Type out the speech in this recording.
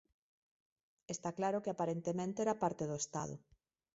Está claro que aparentemente era parte do Estado.